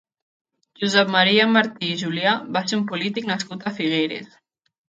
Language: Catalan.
Josep Maria Martí i Julià va ser un polític nascut a Figueres.